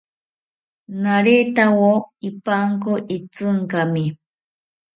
Naretawo ipanko itzinkami